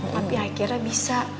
tapi akhirnya bisa